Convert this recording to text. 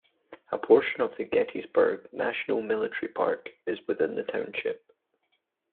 A portion of the Gettysburg National Military Park is within the township.